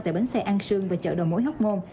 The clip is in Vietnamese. tại bến xe ăn sương và chợ đồ mối hốc môn